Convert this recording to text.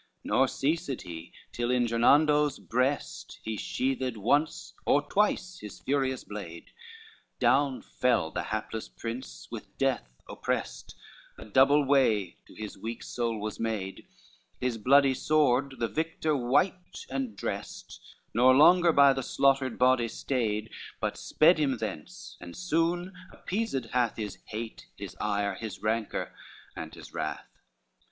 XXXI Nor ceased be, till in Gernando's breast He sheathed once or twice his furious blade; Down fell the hapless prince with death oppressed, A double way to his weak soul was made; His bloody sword the victor wiped and dressed, Nor longer by the slaughtered body stayed, But sped him thence, and soon appeased hath His hate, his ire, his rancor and his wrath.